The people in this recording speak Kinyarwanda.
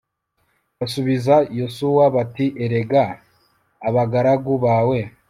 Basubiza Yosuwa bati Erega abagaragu bawe